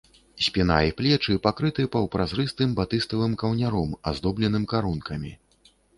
Спіна і плечы пакрыты паўпразрыстым батыставым каўняром, аздобленым карункамі.